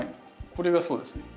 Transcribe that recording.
これがそうですね。